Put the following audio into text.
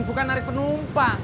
bukan narik penumpang